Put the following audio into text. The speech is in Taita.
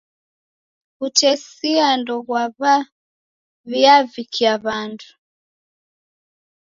W'utesia ndoghwaw'iavikia w'andu.